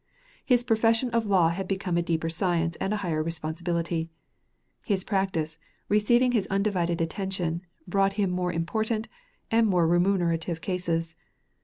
His profession of law had become a deeper science and a higher responsibility. His practice, receiving his undivided attention, brought him more important and more remunerative cases.